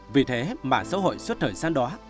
vì thế mạng xã hội suốt thời gian đó